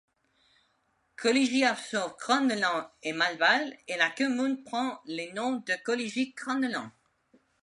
Colligis absorbe Crandelain-et-Malval et la commune prend le nom de Colligis-Crandelain.